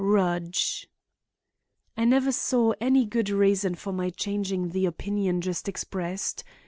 RUDGE I never saw any good reason for my changing the opinion just expressed.